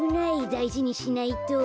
だいじにしないと。